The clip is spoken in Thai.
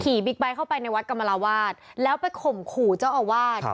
บิ๊กไบท์เข้าไปในวัดกรรมราวาสแล้วไปข่มขู่เจ้าอาวาส